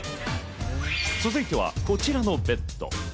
続いてはこちらのベッド。